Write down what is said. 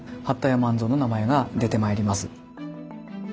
八田屋万蔵の名前が出てまいります。